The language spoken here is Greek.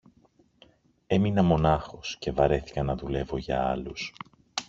έμεινα μονάχος και βαρέθηκα να δουλεύω για άλλους.